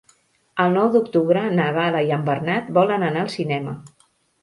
El nou d'octubre na Gal·la i en Bernat volen anar al cinema.